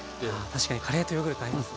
確かにカレーとヨーグルト合いますね。